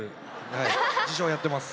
はい自称やってます。